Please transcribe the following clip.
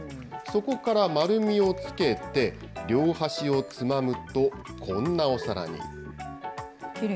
そこから丸みをつけて、両端をつまむと、こんなお皿に。